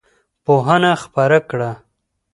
پوهنه خپره کړه.